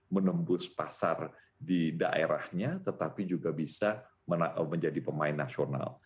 menembus pasar di daerahnya tetapi juga bisa menjadi pemain nasional